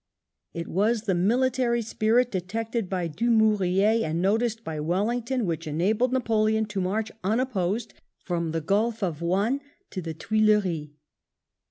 It was the military spirit, detected by Dumou riez and noticed by Wellington, which enabled Napoleon to march unopposed from the Gulf of Juan to the Tuileries.